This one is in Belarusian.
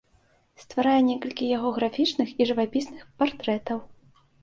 Стварае некалькі яго графічных і жывапісных партрэтаў.